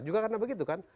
juga karena begitu kan